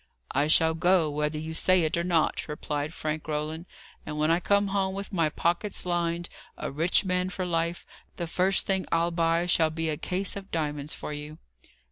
"I shall go, whether you say it or not," replied frank Roland. "And when I come home with my pockets lined, a rich man for life, the first thing I'll buy shall be a case of diamonds for you."